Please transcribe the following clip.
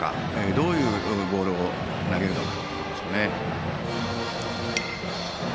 どういうボールを投げるのか。